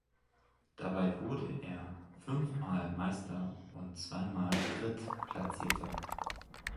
Dabei wurde er fünfmal Meister und zweimal Drittplatzierter.